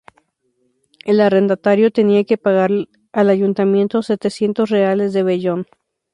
El arrendatario tenía que pagar al Ayuntamiento setecientos reales de vellón.